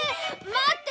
待って！